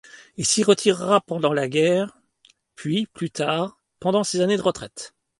Il s'y retirera pendant la guerre, puis plus tard, pendant ses années de retraite.